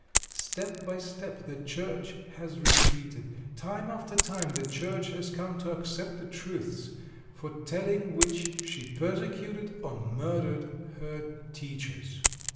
Step by step the Church has retreated. Time after time the Church has come to accept the truths, for telling which she persecuted, or murdered, her teachers.